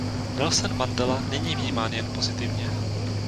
Nelson Mandela není vnímán jen pozitivně.